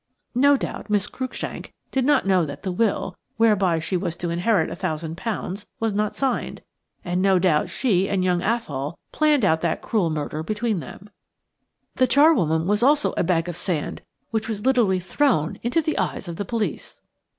"No doubt Miss Cruikshank did not know that the will, whereby she was to inherit £1,000, was not signed, and no doubt she and young Athol planned out that cruel murder between them. The charwoman was also a bag of sand which was literally thrown in the eyes of the police."